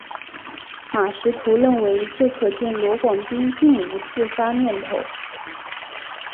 马识途认为这可见罗广斌并无自杀念头。